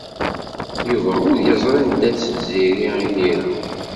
Yuba ur yeẓri anda-tt Tiziri imir-a.